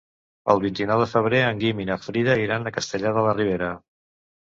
El vint-i-nou de febrer en Guim i na Frida iran a Castellar de la Ribera.